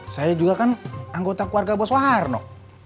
saya juga kan anggota keluarga bos warno